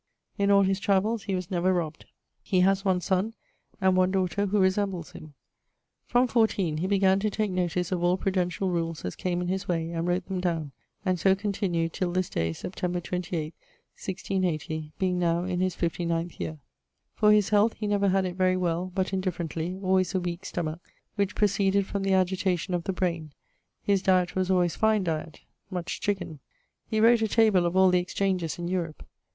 In all his travells he was never robbed. He has one son, and one daughter who resembles him. From 14 he began to take notice of all prudentiall rules as came in his way, and wrote them downe, and so continued till this day, Sept. 28, 1680, being now in his 59th yeare. For his health he never had it very well, but indifferently, alwaies a weake stomach, which proceeded from the agitation of the braine. His dyet was alwayes fine diet: much chicken. He wrote a Table of all the Exchanges in Europe.